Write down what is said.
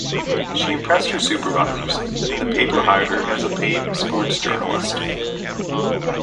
She impressed her supervisors, and the paper hired her as a paid sports journalist.